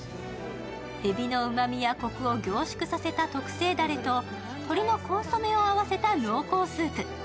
えびのうまみやコクを凝縮させた特製だれと、鶏のコンソメを合わせた濃厚スープ。